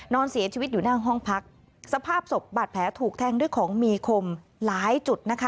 นอนเสียชีวิตอยู่หน้าห้องพักสภาพศพบาดแผลถูกแทงด้วยของมีคมหลายจุดนะคะ